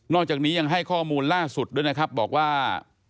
จากนี้ยังให้ข้อมูลล่าสุดด้วยนะครับบอกว่า